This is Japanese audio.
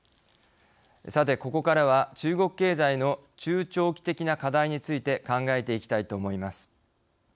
さて、ここからは中国経済の中長期的な課題について考えていきたいと思います。